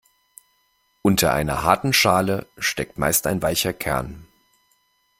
Unter einer harten Schale steckt meist ein weicher Kern.